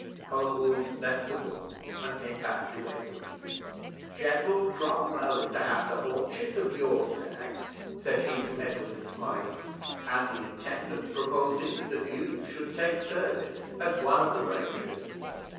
Oswald left the room, and came back to Edward. "General Cromwell is to have the hunches of your stag," said he to Edward, smiling: "and the intendant proposes that you should take service as one of the rangers."